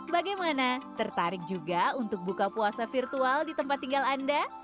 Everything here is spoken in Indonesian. bagaimana tertarik juga untuk buka puasa virtual di tempat tinggal anda